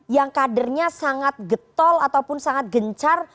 yang kadernya sangat getol ataupun sangat gencar